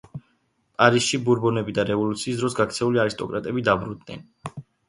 პარიზში ბურბონები და რევოლუციის დროს გაქცეული არისტოკრატები დაბრუნდნენ.